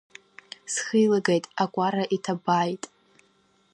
Схы еилагеит, акәара иҭабааит!